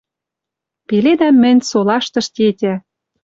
Пеледӓм мӹнь, солаштыш тетя